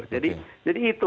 jadi jadi itu